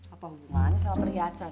apa hubungannya sama perhiasan